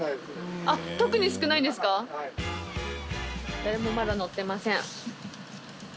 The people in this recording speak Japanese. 誰もまだ乗ってません。